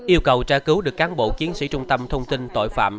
yêu cầu tra cứu được cán bộ chiến sĩ trung tâm thông tin tội phạm